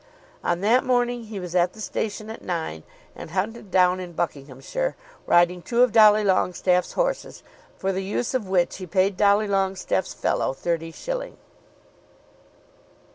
On that morning he was at the station at nine, and hunted down in Buckinghamshire, riding two of Dolly Longestaffe's horses, for the use of which he paid Dolly Longestaffe's "fellow" thirty shillings.